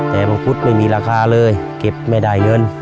แต่มังคุดไม่มีราคาเลยเก็บไม่ได้เงิน